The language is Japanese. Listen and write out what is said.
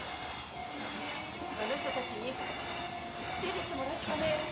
あの人たちに出てってもらうしかねえ！